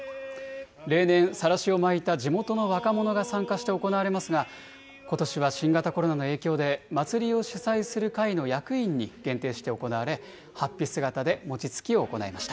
例年、さらしを巻いた地元の若者が参加して行われますが、ことしは新型コロナの影響で、祭りを主催する会の役員に限定して行われ、はっぴ姿で餅つきを行いました。